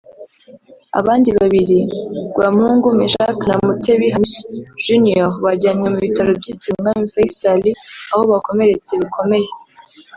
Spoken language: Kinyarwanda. Abandi babiri Rwampungu Mechack na Mutebi Hamissi “Junior” bajyanywe mu bitaro byitiriwe umwami Fayçal aho bakomeretse bikomeye